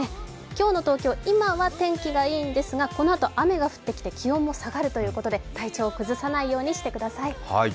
今日の東京、今は天気がいいんですが、このあと雨が降ってきて気温も下がるということで体調を崩さないようにしてください。